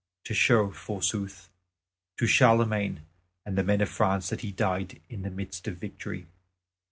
To show, forsooth, to Charlemagne and the men of France that he died in the midst of victory.